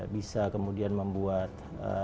bisa kemudian membuat